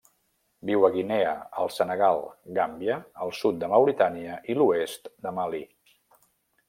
Viu a Guinea, el Senegal, Gàmbia, el sud de Mauritània i l'oest de Mali.